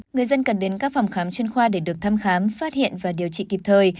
người dân cần đến các phòng khám chuyên khoa để được thăm khám phát hiện và điều trị kịp thời